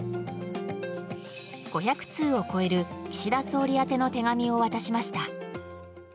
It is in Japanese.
５００通を超える岸田総理宛の手紙を渡しました。